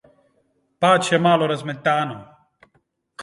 Pač je malo razmetano.